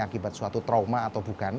akibat suatu trauma atau bukan